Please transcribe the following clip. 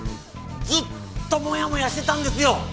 ずっとモヤモヤしてたんですよ